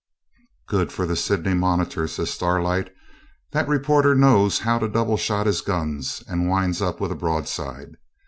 'Good for the "Sydney Monitor",' says Starlight; 'that reporter knows how to double shot his guns, and winds up with a broadside.